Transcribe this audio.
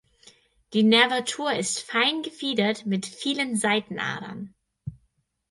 Die Nervatur ist fein gefiedert mit vielen Seitenadern.